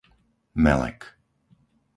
Melek